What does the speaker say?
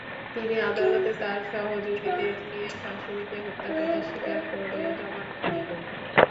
তিনি আদালতে তাঁর সহযোগীদের নিয়ে শাশুড়িকে হত্যার কথা স্বীকার করে জবানবন্দি দেন।